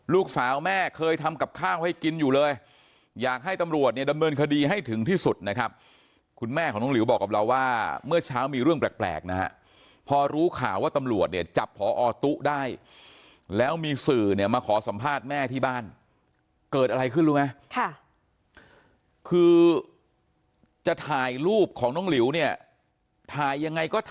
ลูกสาวแม่เคยทำกับข้าวให้กินอยู่เลยอยากให้ตำรวจเนี่ยดำเนินคดีให้ถึงที่สุดนะครับคุณแม่ของน้องหลิวบอกกับเราว่าเมื่อเช้ามีเรื่องแปลกนะฮะพอรู้ข่าวว่าตำรวจเนี่ยจับพอตุ๊ได้แล้วมีสื่อเนี่ยมาขอสัมภาษณ์แม่ที่บ้านเกิดอะไรขึ้นรู้ไหมค่ะคือจะถ่ายรูปของน้องหลิวเนี่ยถ่ายยังไงก็ท